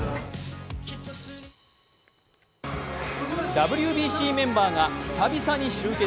ＷＢＣメンバーが久々に集結。